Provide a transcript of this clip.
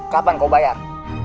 kapan kau bayar